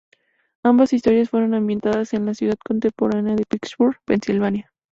Ambas historias fueron ambientadas en la ciudad contemporánea de Pittsburgh, Pensilvania.